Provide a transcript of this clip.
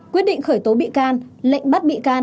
quyết định khởi tố bị can lệnh bắt bị can